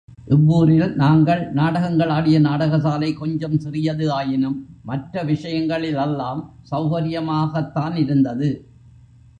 இவ்வூரில் நாங்கள் நாடகங்களாடிய நாடகசாலை கொஞ்சம் சிறியது ஆயினும் மற்ற விஷயங்களிலெல்லாம் சௌகரியமாகத் தானிருந்தது.